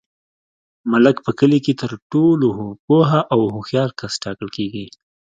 ملک په کلي کي تر ټولو پوه او هوښیار کس ټاکل کیږي.